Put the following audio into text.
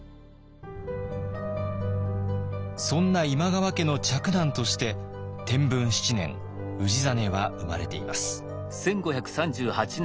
そんな今川家の嫡男として天文７年氏真は生まれています。